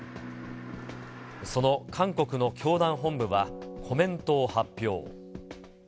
その韓国の教団本部はコメントを発表。